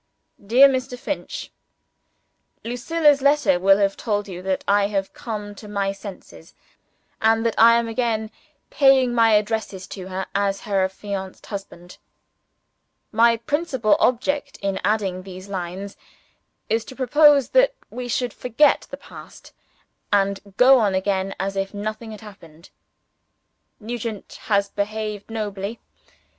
"DEAR MR. FINCH, "Lucilla's letter will have told you that I have come to my senses, and that I am again paying my addresses to her as her affianced husband. My principal object in adding these lines is to propose that we should forget the past, and go on again as if nothing had happened. "Nugent has behaved nobly.